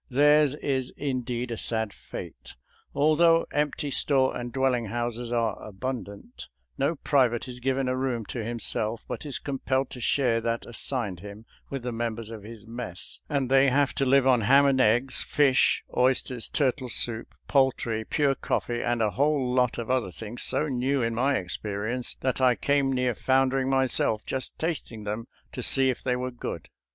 Theirs is indeed a sad fate. Although empty store and dwelling houses are abundant, no private is given a room to him self, but is compelled to share that assigned him with the members of his mess ; and they have to live on ham and eggs, fish, oysters, turtle soup, poultry, pure coffee, and a whole lot of other things so new in my experience that I came near foundering myself just tasting them to see if they were good.